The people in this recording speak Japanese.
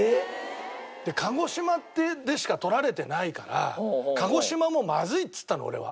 鹿児島でしか撮られてないから「鹿児島もまずい」っつったの俺は。